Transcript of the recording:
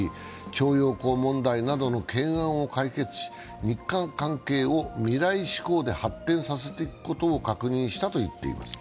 徴用工問題などの懸案を解決し、日韓関係を未来志向で発展させていくことを確認したと言っています。